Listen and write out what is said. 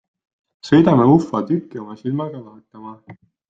Sõidame ufo tükki oma silmaga vaatama.